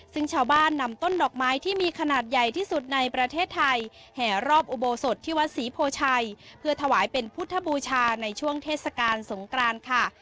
ซึ่งชาวบ้านนำต้นดอกไม้ที่มีขนาดใหญ่ที่สุดในประเทศไทยแห่รอบอุโบสถที่วัดศรีโพชัยเพื่อถวายเป็นพุทธบูชาในช่วงเทศกาลสงกรานค่ะ